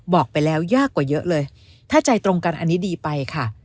บอกไปแล้วยากกว่าเยอะเลยถ้าใจตรงกันอันนี้ดีไปค่ะ